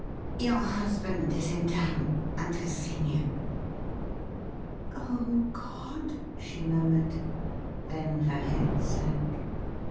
' Your husband is in town, and has seen you.' ' Oh God !' she murmured ; then her head sank.